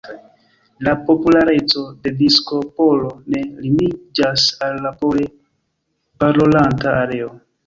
La populareco de disko polo ne limiĝas al la pole parolanta areo.